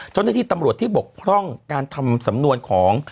เจ้าหน้าที่ตำรวจที่บกพร่องการทำสำนวนของ